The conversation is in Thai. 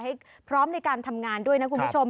ให้พร้อมในการทำงานด้วยนะคุณผู้ชม